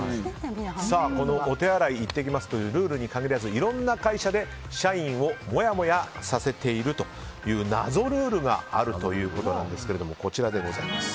このお手洗い行ってきますというルールに限らずいろんな会社で社員をもやもやさせているという謎ルールがあるということなんです。